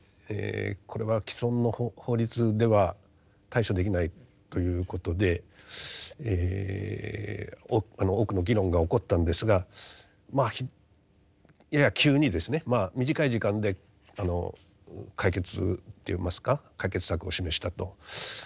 これは既存の法律では対処できないということで多くの議論が起こったんですがまあやや急にですね短い時間で解決といいますか解決策を示したと。